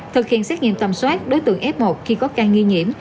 thực hiện xét nghiệm tầm soát đối tượng f một khi có ca nghi nhiễm